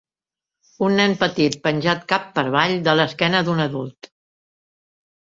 Un nen petit penjat cap per avall de l'esquena d'un adult.